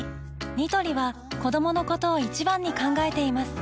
ニトリは子どものことを一番に考えています